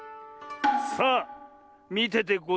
さあみててござれ。